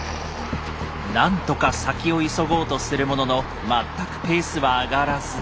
何とか先を急ごうとするものの全くペースは上がらず。